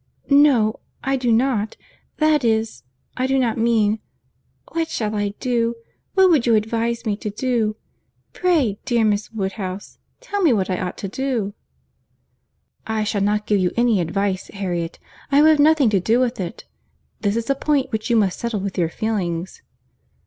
"No, I do not; that is, I do not mean—What shall I do? What would you advise me to do? Pray, dear Miss Woodhouse, tell me what I ought to do." "I shall not give you any advice, Harriet. I will have nothing to do with it. This is a point which you must settle with your feelings."